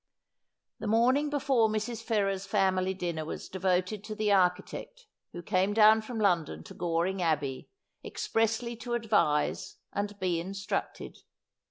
The morning before Mrs. Ferrers's family dinner was devoted to the architect, who came down from London to Goring Abbey, expressly to advise and be instructed.